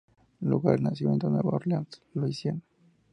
Lugar de Nacimiento: Nueva Orleans, Louisiana.